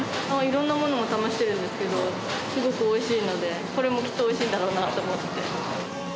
いろんなものを試してるんですけど、すごくおいしいので、これもきっとおいしいんだろうなと思って。